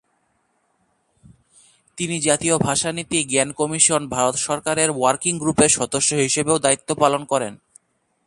তিনি জাতীয় ভাষা নীতি, জ্ঞান কমিশন, ভারত সরকারের ওয়ার্কিং গ্রুপের সদস্য হিসেবেও দায়িত্ব পালন করেন।